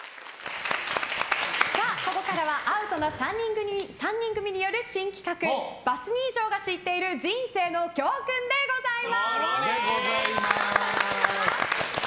ここからはアウトな３人組による新企画バツ２以上が知っている人生の教訓でございます。